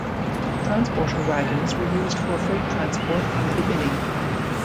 Transporter wagons were used for freight transport from the beginning.